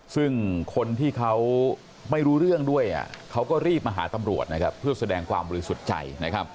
ซึ่งคนที่เขาไม่รู้เรื่องด้วยเขาก็รีบมาหาตำรวจนะครับเพื่อแสดงความบริสุทธิ์ใจ